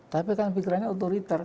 tapi kan pikirannya otoriter